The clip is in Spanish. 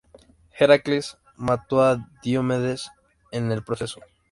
Heracles mató a Diomedes en el proceso.